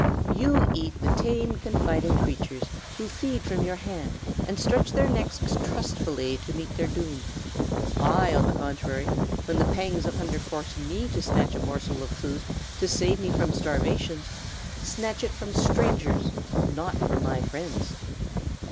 "You eat the tame, confiding creatures who feed from your hand, and stretch their necks trustfully to meet their doom. I, on the contrary, when the pangs of hunger force me to snatch a morsel of food to save me from starvation, snatch it from strangers, not from my friends."